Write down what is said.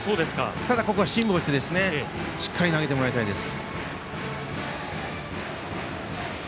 ただここは辛抱してしっかり投げてもらいたいです。